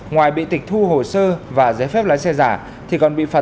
ngoài bị tịch thu hồ sơ và giấy phép lái xe giả